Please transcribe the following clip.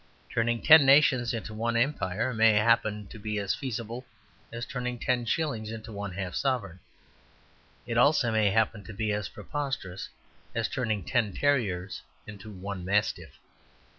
Turning ten nations into one empire may happen to be as feasible as turning ten shillings into one half sovereign. Also it may happen to be as preposterous as turning ten terriers into one mastiff.